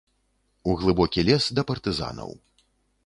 У глыбокі лес да партызанаў.